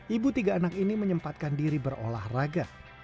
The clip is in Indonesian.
ibu tiga anak ini menyempatkan diri berolahraga